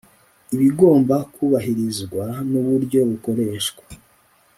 ibigomba kubahirizwa n uburyo bukoreshwa